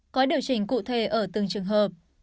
có điều chỉnh cụ thể ở từng trường hợp